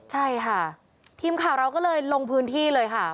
ใช่ค่ะทีมข่าวเราก็เลยลงพื้นที่เลยค่ะ